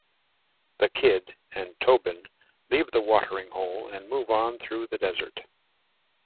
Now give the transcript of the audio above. The kid and Tobin leave the watering hole and move on through the desert.